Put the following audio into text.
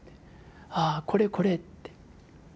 ああこれこれ」って。